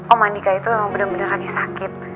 om andika itu emang bener bener lagi sakit